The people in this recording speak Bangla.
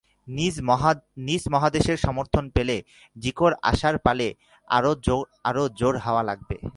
নিজ মহাদেশের সমর্থন পেলে জিকোর আশার পালে আরও জোর হাওয়া লাগবে।